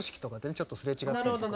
ちょっと擦れ違ったりとかね。